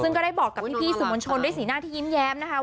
ซึ่งก็ได้บอกกับพี่สื่อมวลชนด้วยสีหน้าที่ยิ้มแย้มนะคะ